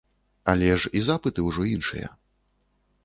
Але ж і запыты ўжо іншыя.